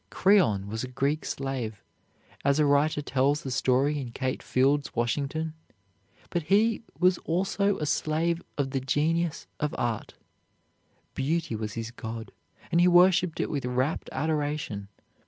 Creon was a Greek slave, as a writer tells the story in Kate Field's "Washington," but he was also a slave of the Genius of Art. Beauty was his god, and he worshiped it with rapt adoration.